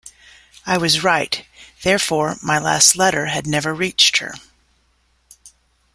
I was right, therefore, my last letter had never reached her.